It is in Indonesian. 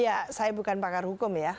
ya saya bukan pakar hukum ya